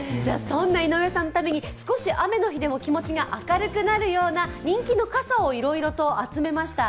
そんな井上さんのために少し雨の日でも気持ちが明るくなるような人気の傘をいろいろと集めました。